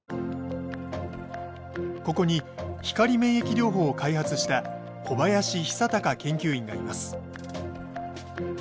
ここに光免疫療法を開発した小林久隆研究員がいます。